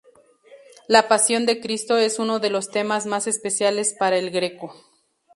La pasión de Cristo es uno de los temas más especiales para El Greco.